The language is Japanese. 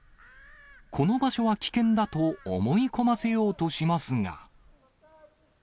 この場所は危険だと思い込ませようとしますが。